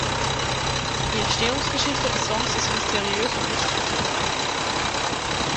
Die Entstehungsgeschichte des Songs ist mysteriös und nicht gesichert.